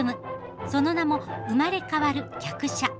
その名も「生れかわる客車」。